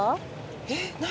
えっ何？